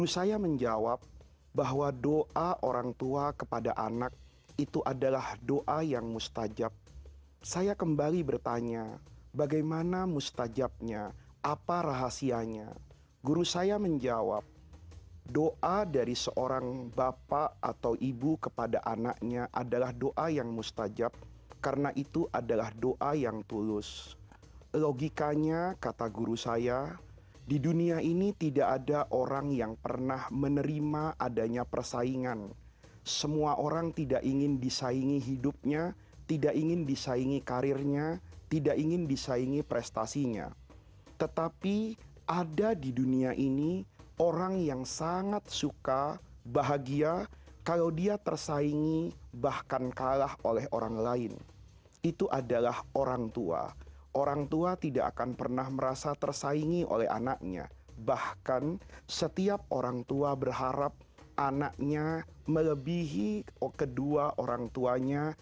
sebaliknya pemirsa jangan kemana mana